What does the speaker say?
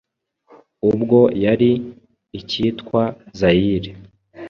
ubwo yari ikitwa Zaire,